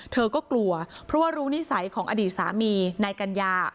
เธอก็กลัวเพราะว่ารู้นิสัยของอดีตสามีนายกัญญา